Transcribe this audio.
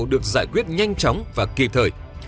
được giải quyết nhanh chóng và kỳ thời